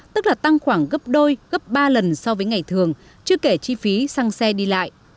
tức là tăng khoảng gấp đôi gấp ba lần so với ngày thường chứ kể chi phí xăng xe đi lại